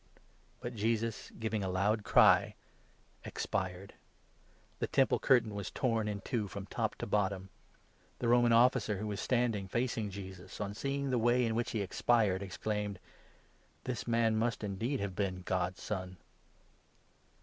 But Jesus, giving a loud cry, expired. The Temple 37, curtain was torn in two from top to bottom. The 39 Roman Officer, who was standing facing Jesus, on seeing the way in which he expired, exclaimed :" This man must indeed have been ' God's Son